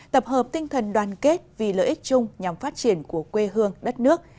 tập hợp tinh thần đoàn kết vì lợi ích chung nhằm phát triển của quê hương đất nước